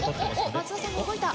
松田さんが動いた。